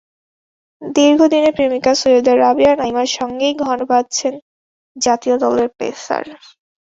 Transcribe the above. দীর্ঘদিনের প্রেমিকা সৈয়দা রাবেয়া নাঈমার সঙ্গেই ঘর বাঁধছেন জাতীয় দলের পেসার।